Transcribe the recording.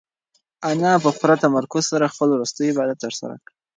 انا په پوره تمرکز سره خپل وروستی عبادت ترسره کړ.